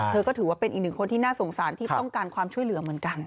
เธอก็ถือว่าเป็นอีกหนึ่งคนที่น่าสงสารที่ต้องการความช่วยเหลือเหมือนกัน